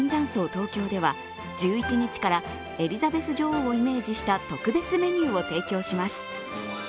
東京では１１日からエリザベス女王をイメージした特別メニューを提供します。